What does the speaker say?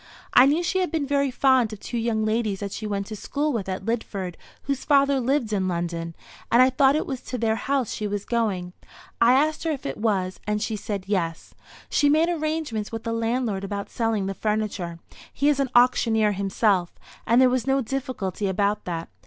I knew she had been very fond of two young ladies that she went to school with at Lidford, whose father lived in London; and I thought it was to their house she was going. I asked her if it was, and she said yes. She made arrangements with the landlord about selling the furniture. He is an auctioneer himself, and there was no difficulty about that.